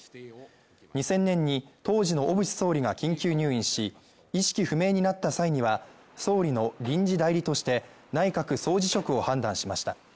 ２０００年に当時の小渕総理が緊急入院し、意識不明になった際には総理の臨時代理として、内閣総辞職を判断しました。